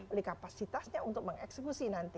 oleh kapasitasnya untuk mengeksekusi nanti